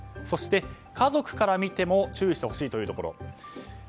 そして家族から見ても注意してほしいというところ。